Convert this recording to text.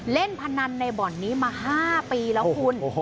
เล่นพนันในบ่อนนี้มา๕ปีแล้วคุณ